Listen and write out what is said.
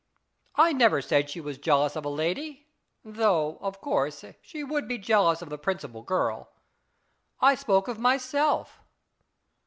" I never said she was jealous of a lady ; though, of course, she would be jealous of the principal girl. I spoke of myself."